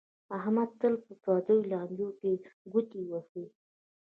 احمد تل په پردیو لانجو کې گوتې وهي